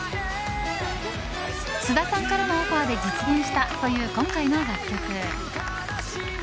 菅田さんからのオファーで実現したという今回の楽曲。